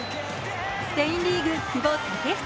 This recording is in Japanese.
スペインリーグ・久保建英。